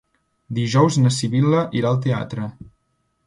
Dijous na Sibil·la irà al teatre.